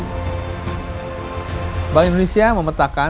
bank indonesia memetakan dan menetapkan strategi dalam tiga pelaksanaan